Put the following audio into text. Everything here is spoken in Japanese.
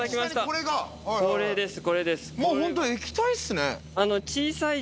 これです